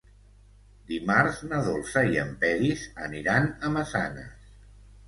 Dimarts na Dolça i en Peris aniran a Massanes.